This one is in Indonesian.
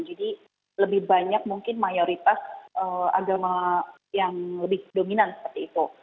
jadi lebih banyak mungkin mayoritas agama yang lebih dominan seperti itu